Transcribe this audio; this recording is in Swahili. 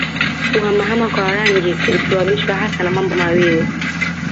Kuhama hama kwa Warangi kulisababishwa hasa na mambo mawili